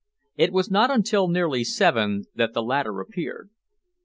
It was not until nearly seven that the latter appeared.